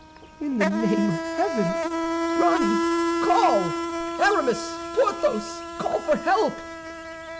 "In the name of heaven, run, call! Aramis! Porthos! Call for help!"